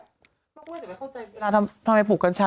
พวกเราจะไม่เข้าใจเวลาทำทำให้ปลูกกัญชา